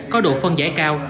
có độ phân giải cao